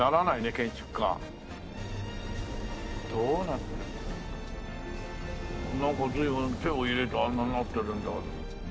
なんか随分手を入れてあんなになってるんだ。